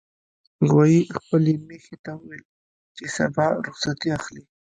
غویي خپلې میښې ته وویل چې سبا به رخصتي اخلي.